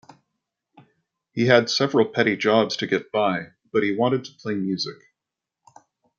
He had several petty jobs to get by, but he wanted to play music.